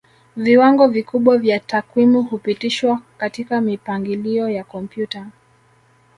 Viwango vikubwa vya takwimu hupitishwa katika mipangilio ya kompyuta